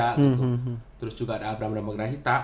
lalu terus juga ada abram ramagrahita